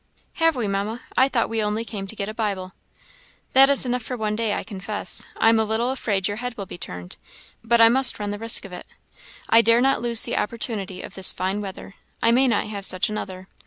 "Have we, Mamma? I thought we only came to get a Bible." "That is enough for one day, I confess. I am a little afraid your head will be turned, but I must run the risk of it. I dare not lose the opportunity of this fine weather; I may not have such another.